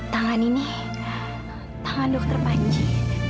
tangan ini tangan dokter panji